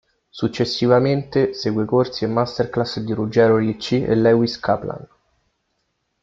Successivamente segue corsi e masterclass di Ruggiero Ricci e Lewis Kaplan.